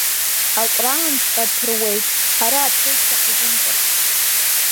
Аҟәраанҵәҟьа ԥыруеит, ҳара аԥрышьа ҳзымҵацт…